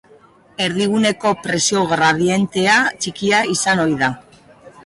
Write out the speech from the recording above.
Erdiguneko presio gradientea txikia izan ohi da.